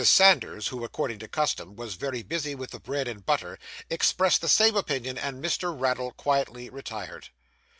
Sanders, who, according to custom, was very busy with the bread and butter, expressed the same opinion, and Mr. Raddle quietly retired.